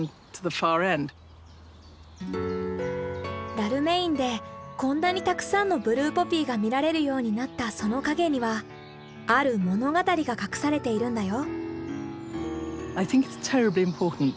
ダルメインでこんなにたくさんのブルーポピーが見られるようになったその陰にはある物語が隠されているんだよ。